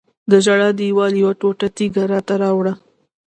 د ژړا دیوال یوه ټوټه تیږه راته راوړه.